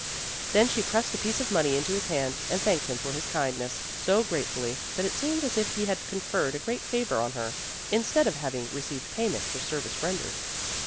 Then she pressed a piece of money into his hand, and thanked him for his kindness so gratefully, that it seemed as if he had conferred a great favor on her, instead of having received payment for service rendered.